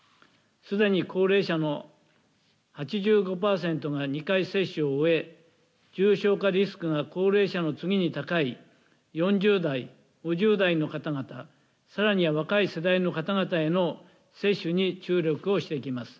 すでに高齢者の８５％が２回接種を終え重症化リスクが高齢者の次に高い４０代、５０代の方々、さらには若い世代の方々への接種に注力していきます。